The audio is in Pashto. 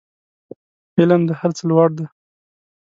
علم د هر څه لوړ دی